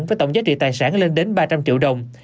với tổng giá trị tài sản lên đến ba trăm linh triệu đồng